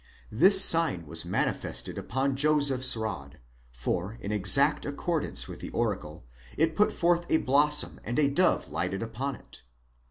This sign was manifested upon Joseph's rod; for, in exact accordance with the oracle, it put forth a blossom and a dove lighted upon it.